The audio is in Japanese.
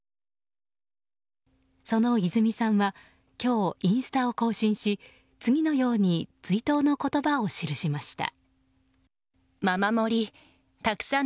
その泉さんは今日インスタを更新し、次のように追悼の言葉を記しました。